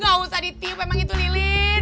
gak usah ditiup memang itu lilin